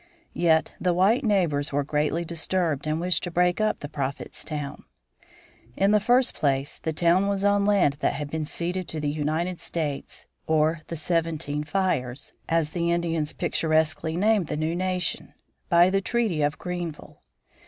Yet the white neighbors were greatly disturbed and wished to break up the Prophet's town. In the first place the town was on land that had been ceded to the United States, or the Seventeen Fires (as the Indians picturesquely named the new nation), by the treaty of Greenville.